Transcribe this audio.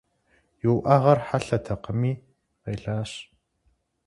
И уӏэгъэр хьэлъэтэкъыми къелащ.